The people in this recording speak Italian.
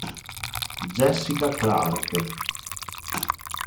Jessica Clarke